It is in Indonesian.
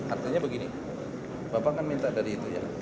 artinya begini bapak kan minta dari itu ya